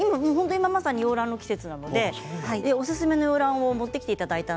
今、まさに洋ランの季節なのでおすすめの洋ランを持ってきていただきました。